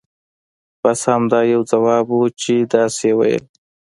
بس همدا یو ځواب وو چې داسې یې ویل.